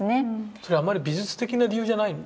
それはあんまり美術的な理由じゃないんですね。